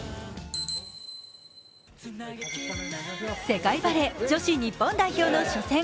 世界バレー女子日本代表の初戦。